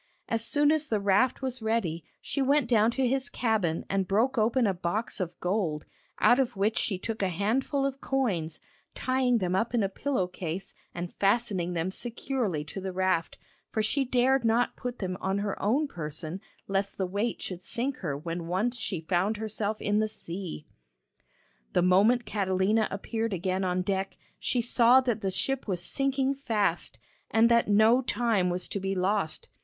As soon as the raft was ready, she went down to his cabin and broke open a box of gold, out of which she took a handful of coins, tying them up in a pillow case and fastening them securely to the raft, for she dare not put them on her own person lest the weight should sink her when once she found herself in the sea. The moment Catalina appeared again on deck, she saw that the ship was sinking fast, and that no time was to be lost.